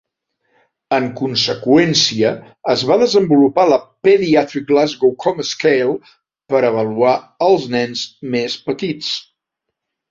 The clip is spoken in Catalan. En conseqüència, es va desenvolupar la Pediatric Glasgow Coma Scale per avaluar els nens més petits.